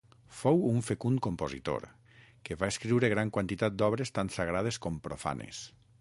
Fou un fecund compositor, que va escriure gran quantitat d'obres tant sagrades com profanes.